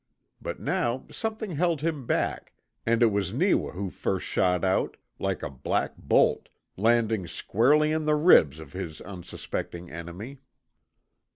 But now something held him back, and it was Neewa who first shot out like a black bolt landing squarely in the ribs of his unsuspecting enemy.